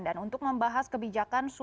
dan untuk membahas kebijakan